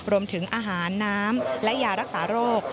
รวมถึงอาหารน้ำและยารักษาโรค